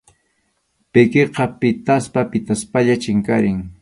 Pikiqa pʼitaspa pʼitaspalla chinkarin.